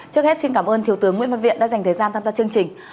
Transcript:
trước hết xin cảm ơn thiếu tướng nguyễn văn viện đã dành thời gian tham gia chương trình